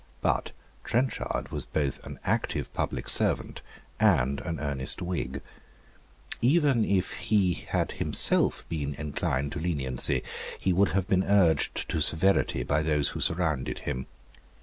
But Trenchard was both an active public servant and an earnest Whig. Even if he had himself been inclined to lenity, he would have been urged to severity by those who surrounded him.